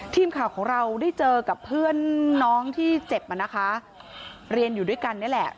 ที่เจ็บมันนะคะเรียนอยู่ด้วยกันนี่แหละ